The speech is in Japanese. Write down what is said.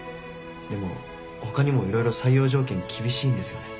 でも他にも色々採用条件厳しいんですよね？